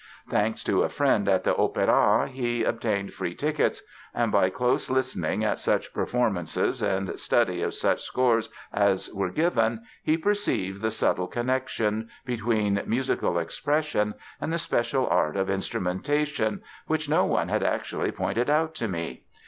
Thanks to a friend at the Opéra he obtained free tickets and by close listening at such performances and study of such scores as were given he "perceived the subtle connection ... between musical expression and the special art of instrumentation, which no one had actually pointed out to me.